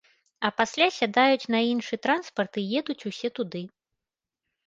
А пасля сядаюць на іншы транспарт і едуць усе туды!